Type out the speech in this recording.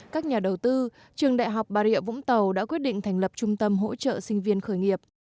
các nhà đầu tư trường đại học bà rịa vũng tàu đã quyết định thành lập trung tâm hỗ trợ sinh viên khởi nghiệp